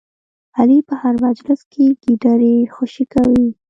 علي په هر مجلس کې ګیدړې خوشې کوي.